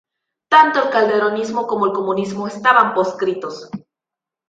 Tanto el calderonismo como el comunismo estaban proscritos.